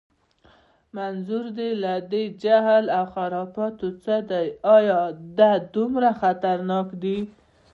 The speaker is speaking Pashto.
منظور دې له دې جهل و خرافاتو څه دی؟ ایا دا دومره خطرناک دي؟